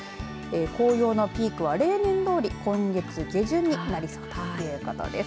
紅葉のピークは例年どおり今月下旬になりそうです。